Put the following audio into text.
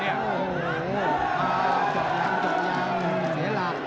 นี่ราก